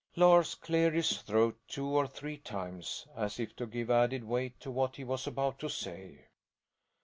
Lars cleared his throat two or three times, as if to give added weight to what he was about to say.